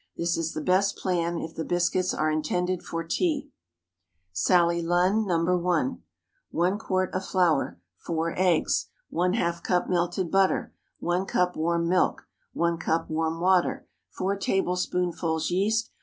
This is the best plan if the biscuits are intended for tea. SALLY LUNN. (No. 1.) ✠ 1 quart of flour. 4 eggs. ½ cup melted butter. 1 cup warm milk. 1 cup warm water. 4 tablespoonfuls yeast.